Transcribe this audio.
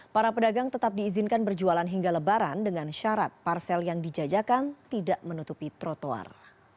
para pedagang tetap diizinkan berjualan hingga lebaran dengan syarat parsel yang dijajakan tidak menutupi trotoar